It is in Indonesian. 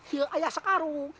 ya ayah sekarung